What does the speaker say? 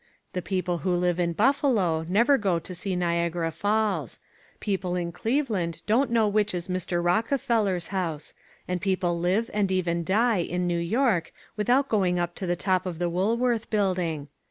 The people who live in Buffalo never go to see Niagara Falls; people in Cleveland don't know which is Mr. Rockefeller's house, and people live and even die in New York without going up to the top of the Woolworth Building.